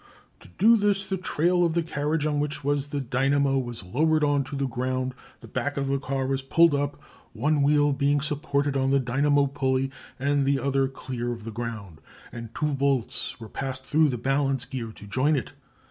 To do this the trail of the carriage, on which was the dynamo, was lowered on to the ground, the back of the car was pulled up, one wheel being supported on the dynamo pulley and the other clear of the ground, and two bolts were passed through the balance gear to join it.